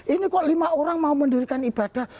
ini kok lima orang mau mendirikan ibadah